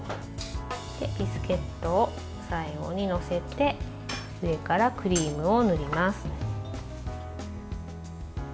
ビスケットを最後に載せて上からクリームを塗ります。